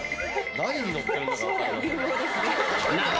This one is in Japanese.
何に乗ってるのか、分かりません。